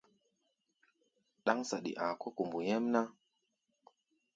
Ɗáŋ saɗi a̧a̧ kɔ̧́ kombo nyɛ́mná.